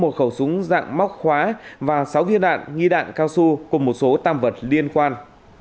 một khẩu súng dạng móc khóa và sáu viên đạn nghi đạn cao su cùng một số tam vật liên quan